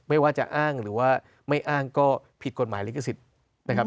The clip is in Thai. ไม่ว่าจะอ้างหรือว่าไม่อ้างก็ผิดกฎหมายลิขสิทธิ์นะครับ